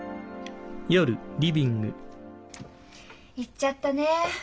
行っちゃったねえ。